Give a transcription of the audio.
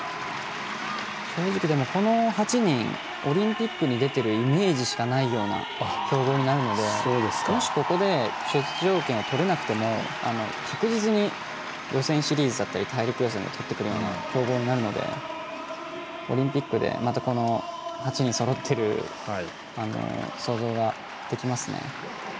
正直、この８人オリンピックに出ているイメージしかないような強豪になるのでもしここで出場権がとれなくても確実に、予選シリーズだったり大陸予選でとってくるような強豪なのでオリンピックで８人そろっている想像ができますね。